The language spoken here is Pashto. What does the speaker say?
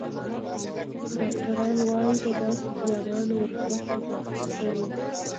ډاکتران وايي، د داسې ځوانانو ورتګ زیات شوی